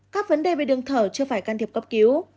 các vấn đề về đường thở chưa phải can thiệp cấp cứu